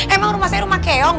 emang rumah saya rumah keong